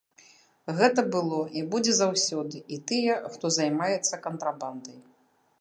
Гэта было і будзе заўсёды, і тыя, хто займаецца кантрабандай.